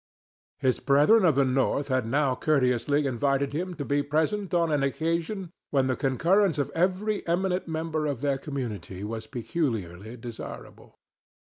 His brethren of the North had now courteously invited him to be present on an occasion when the concurrence of every eminent member of their community was peculiarly desirable.